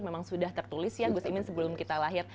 memang sudah tertulis ya gus imin sebelum kita lahir